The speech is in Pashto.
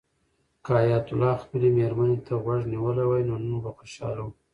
که حیات الله خپلې مېرمنې ته غوږ نیولی وای نو نن به خوشحاله و.